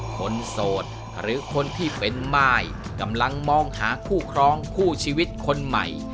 โสดหรือคนที่เป็นม่ายกำลังมองหาคู่ครองคู่ชีวิตคนใหม่